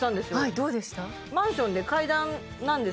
どうでした？